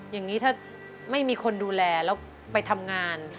อย่างนี้ถ้าไม่มีคนดูแลแล้วไปทำงาน